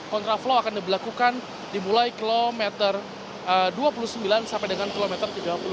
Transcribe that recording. kontraflow akan diberlakukan dimulai kilometer dua puluh sembilan sampai dengan kilometer tiga puluh dua